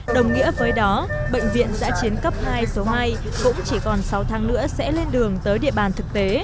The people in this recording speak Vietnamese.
đồng nghĩa với đó bệnh viện giã chiến cấp hai số hai cũng chỉ còn sáu tháng nữa sẽ lên đường tới địa bàn thực tế